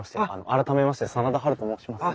改めまして真田ハルと申します。